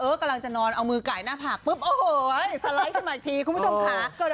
พี่กำลังจะนอนเอามือไก่หน้าผากปุ๊บเอาเหอะเฮ้ยสไลด์กันใหม่ทีคุณผู้ชมค่ะ